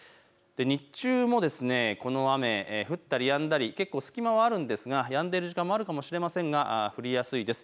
日中もこの雨、降ったりやんだり、隙間はあるんですがやんでいる時間もあるかもしれませんが降りやすいです。